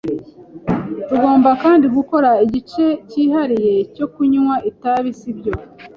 Tugomba kandi gukora igice cyihariye cyo kunywa itabi, sibyo?